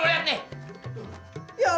akan jadi penjahat